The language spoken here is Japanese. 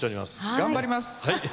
頑張ります！